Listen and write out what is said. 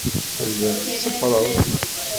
Telliḍ tetteffreḍ.